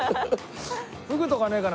フグとかねえかな？